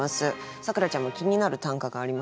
咲楽ちゃんも気になる短歌がありましたらですね